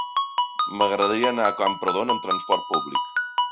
M'agradaria anar a Camprodon amb trasport públic.